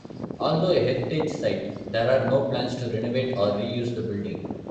Although a heritage site, there are no plans to renovate or reuse the building.